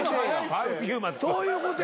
そういうことや。